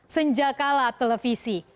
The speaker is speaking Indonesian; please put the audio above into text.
senjak kalah televisi